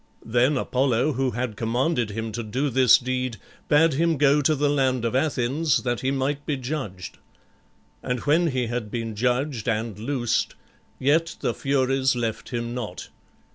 Then Apollo, who had commanded him to do this deed, bade him go to the land of Athens that he might be judged. And when he had been judged and loosed, yet the Furies left him not.